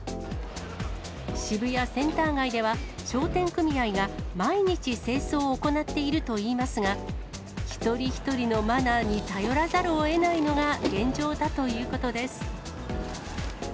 渋谷センター街では、商店組合が毎日、清掃を行っているといいますが、一人一人のマナーに頼らざるをえないのが現状だということです。